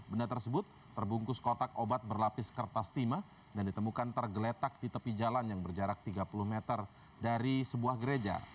benda tersebut terbungkus kotak obat berlapis kertas timah dan ditemukan tergeletak di tepi jalan yang berjarak tiga puluh meter dari sebuah gereja